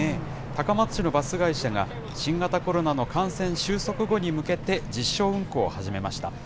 高松市のバス会社が、新型コロナの感染収束後に向けて、実証運行を始めました。